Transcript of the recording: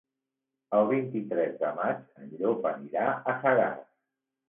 El vint-i-tres de maig en Llop anirà a Sagàs.